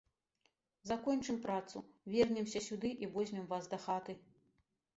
Закончым працу, вернемся сюды і возьмем вас дахаты